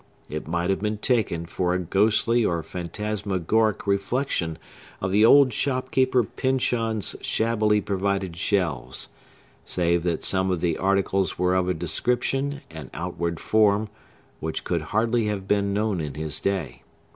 It might have been taken for a ghostly or phantasmagoric reflection of the old shop keeper Pyncheon's shabbily provided shelves, save that some of the articles were of a description and outward form which could hardly have been known in his day.